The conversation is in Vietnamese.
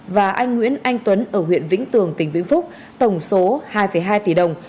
và anh nguyễn anh tuấn ở huyện vĩnh tường tỉnh vĩnh phúc tổng số hai hai tỷ đồng